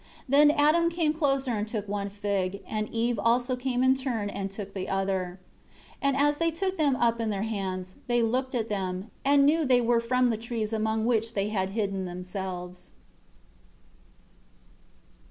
6 Then Adam came closer and took one fig, and Eve also came in turn and took the other. 7 And as they took them up in their hands, they looked at them, and knew they were from the trees among which they had hidden themselves.